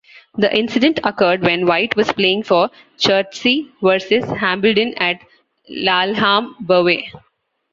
The incident occurred when White was playing for Chertsey "versus" Hambledon at Laleham Burway.